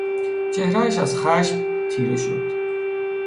چهرهاش از خشم تیره شد.